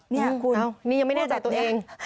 นี่คุณนี่ยังไม่แน่ใจตัวเอง